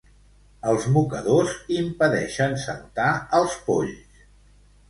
Els mocadors impedeixen saltar als polls